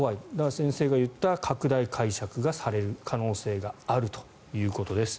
先生が言った拡大解釈がされる可能性があるということです。